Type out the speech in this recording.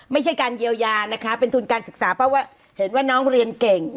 ไม่ใช่การเยียวยานะคะเป็นทุนการศึกษาเพราะว่าเห็นว่าน้องเรียนเก่ง